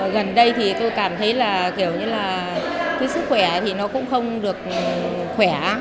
gần đây thì tôi cảm thấy là kiểu như là cái sức khỏe thì nó cũng không được khỏe